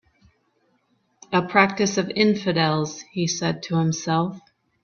"A practice of infidels," he said to himself.